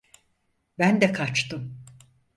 Ben de kaçtım.